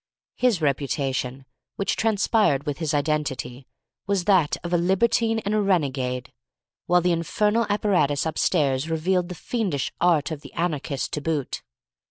His reputation, which transpired with his identity, was that of a libertine and a renegade, while the infernal apparatus upstairs revealed the fiendish arts of the anarchist to boot.